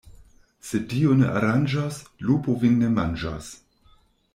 Se Dio ne aranĝos, lupo vin ne manĝos.